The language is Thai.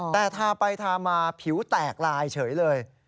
แต่ทาไปทามาผิวแตกลายเฉยเลย